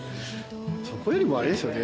そこよりもあれですよね。